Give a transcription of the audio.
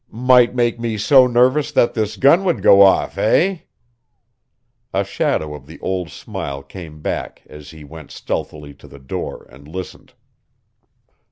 "Might make me so nervous that this gun would go off, eh?" A shadow of the old smile came back as he went stealthily to the door and listened.